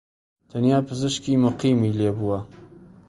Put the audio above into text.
تەنیا پزیشکیی موقیمی لێبووە